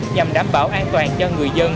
nhằm đảm bảo an toàn cho người dân